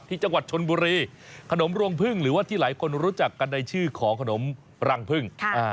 ที่จังหวัดชนบุรีขนมรวงพึ่งหรือว่าที่หลายคนรู้จักกันในชื่อของขนมรังพึ่ง